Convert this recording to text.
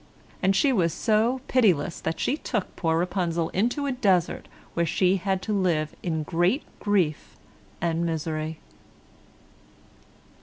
And she was so pitiless that she took poor Rapunzel into a desert, where she had to live in great grief and misery.